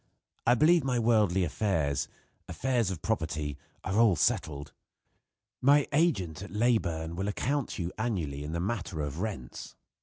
I believe my worldly affairs affairs of property are all settled. My agent at Leyburn will account to you annually in the matter of rents.